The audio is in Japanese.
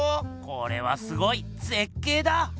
これはすごい！ぜっけいだ！